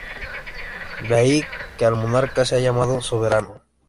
De ahí que el monarca sea llamado soberano, denominación que aún perdura.